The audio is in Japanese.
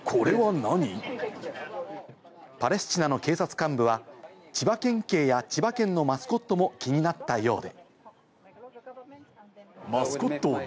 パレスチナの警察幹部は千葉県警や千葉県のマスコットも気になったようで。